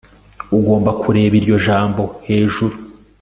ugomba kureba iryo jambo hejuru